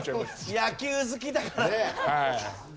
野球好きだから。